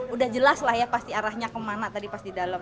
udah jelas lah ya pasti arahnya kemana tadi pas di dalam